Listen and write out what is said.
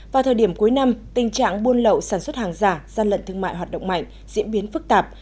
vào thời điểm cuối năm tình trạng buôn lậu sản xuất hàng giả gian lận thương mại hoạt động mạnh diễn biến phức tạp